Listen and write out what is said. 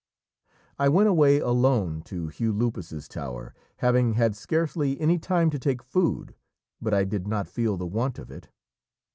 I went away alone to Hugh Lupus's tower, having had scarcely any time to take food, but I did not feel the want of it.